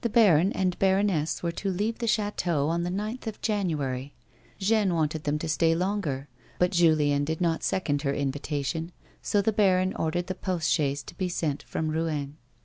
barou and baroness were to leave the chateau on the ninth of January; Jeanne wanted them to stay longer, but Julien did not second her invitation, so the baron ordered the post chaise to be sent from Eouen.